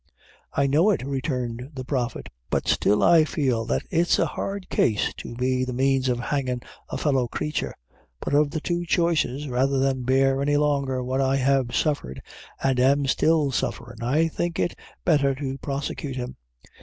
"I know it," returned the Prophet; "but still I feel that it's a hard case to be the means of hangin' a fellow crature; but of the two choices, rather than bear any longer what I have suffered an' am still sufferin', I think it betther to prosecute him."